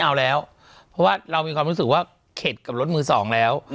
เอาแล้วเพราะว่าเรามีความรู้สึกว่าเข็ดกับรถมือสองแล้ว